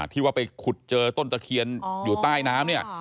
ที่ว่าไปขุดเจอต้นตะเคียนอยู่ใต้น้ำเนี่ย